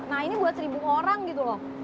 nah ini buat seribu orang gitu loh